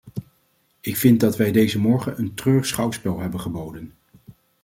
Ik vind dat wij deze morgen een treurig schouwspel hebben geboden.